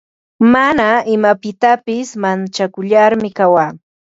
Mana imapitasi manchakularmi kawaa.